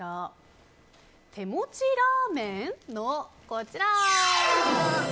手持ちラーメン？のこちら。